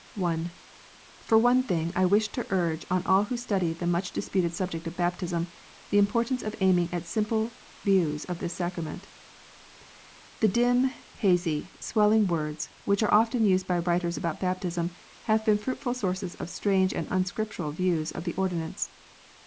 (1) For one thing, I wish to urge on all who study the much disputed subject of baptism, the importance of aiming at simple views of this sacrament. The dim, hazy, swelling words, which are often used by writers about baptism, have been fruitful sources of strange and unscriptural views of the ordinance.